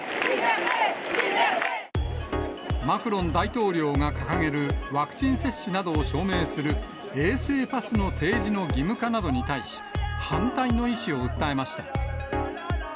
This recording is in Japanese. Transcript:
マクロン大統領が掲げる、ワクチン接種などを証明する衛生パスの提示の義務化などに対し、反対の意思を訴えました。